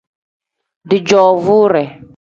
Dijoovure.